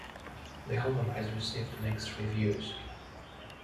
The album has received mixed reviews.